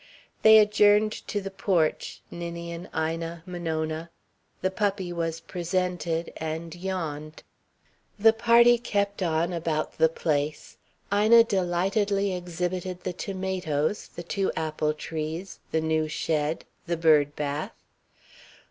They adjourned to the porch Ninian, Ina, Monona. The puppy was presented, and yawned. The party kept on about "the place." Ina delightedly exhibited the tomatoes, the two apple trees, the new shed, the bird bath.